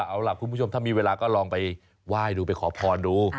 เอาล่ะคุณผู้ชมถ้ามีเวลาก็ลองไปไหว้ดูไปขอพรดู